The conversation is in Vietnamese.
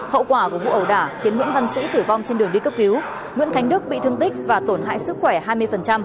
hậu quả của vụ ẩu đả khiến nguyễn văn sĩ tử vong trên đường đi cấp cứu nguyễn khánh đức bị thương tích và tổn hại sức khỏe hai mươi